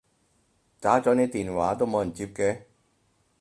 打咗你電話都冇人接嘅